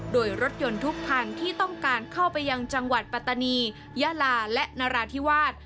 โดยรถยนต์ทุกคันที่ต้องการเข้าไปยังจังหวัดปัตตานียะลาและนราธิวาส